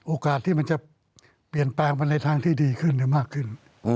โอกาสที่มันจะเปลี่ยนแปลงไปในทางที่ดีขึ้นหรือมากขึ้น